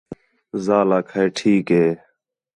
ذال آکھا ٹھیک ہِے